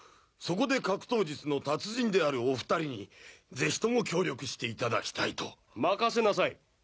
そこで格闘術の達人であるお二人に是非とも協力して頂きたいと任せなさい！